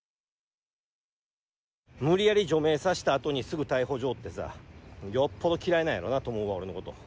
無理やり除名させたあとにすぐ逮捕状ってさ、よっぽど嫌いなんやろうなと思うわ、俺のこと。